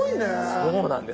そうなんです。